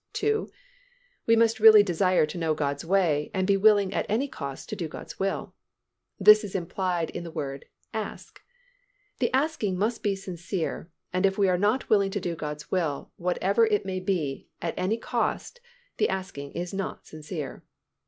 2. We must really desire to know God's way and be willing at any cost to do God's will. This is implied in the word "ask." The asking must be sincere, and if we are not willing to do God's will, whatever it may be, at any cost, the asking is not sincere.